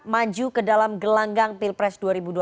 maju ke dalam gelanggang pilpres dua ribu dua puluh